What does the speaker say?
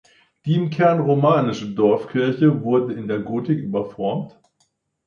Die im Kern romanische Dorfkirche wurde in der Gotik überformt.